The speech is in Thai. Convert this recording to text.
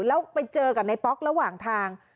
แล้วไปเจอกับในป๊อกระหว่างทาง